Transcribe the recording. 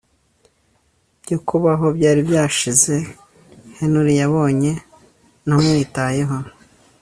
byo kubaho byari byashize Henry yabonye ntamwitayeho